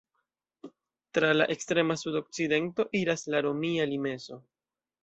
Tra la ekstrema sudokcidento iras la romia limeso.